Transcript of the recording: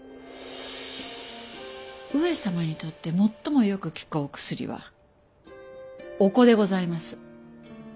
上様にとってもっともよく効くお薬はお子でございます。